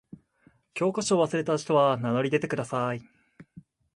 教科書を忘れた人は名乗り出てください。